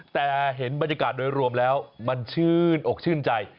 แต่เห็นบรรยากาศโดยรวมแล้วมันชื่นอกชื่นใจ